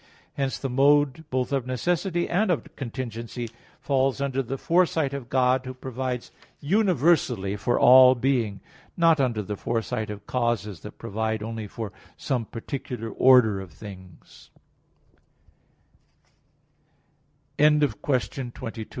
Hence the mode both of necessity and of contingency falls under the foresight of God, who provides universally for all being; not under the foresight of causes that provide only for some particular order of t